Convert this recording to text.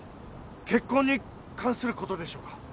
結婚に関することでしょうか？